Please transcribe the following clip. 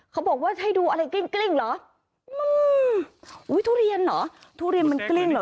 เขาบอกว่าให้ดูอะไรกลิ้งเหรอทุเรียนเหรอทุเรียนมันกลิ้งเหรอ